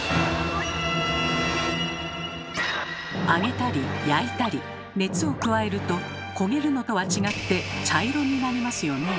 揚げたり焼いたり熱を加えると焦げるのとは違って茶色になりますよね。